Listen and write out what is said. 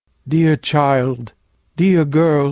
Dear Child! dear Girl!